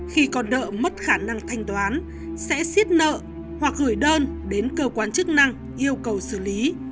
khi con nợ mất khả năng thanh toán sẽ xiết nợ hoặc gửi đơn đến cơ quan chức năng yêu cầu xử lý